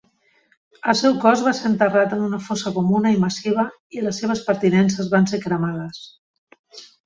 El seu cos va ser enterrat en una fossa comuna i massiva i les seves pertinences van ser cremades.